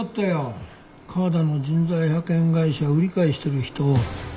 河田の人材派遣会社売り買いしてる人を。